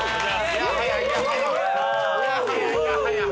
いやはやいやはや。